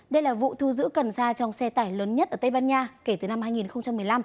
đây là vụ thu giữ cần xa trong xe tải lớn nhất ở tây ban nha kể từ năm hai nghìn một mươi năm